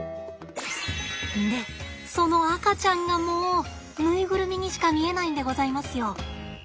でその赤ちゃんがもうぬいぐるみにしか見えないんでございますよ。